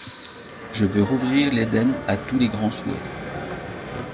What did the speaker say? Je veux rouvrir l'éden à tous les grands souhaits ;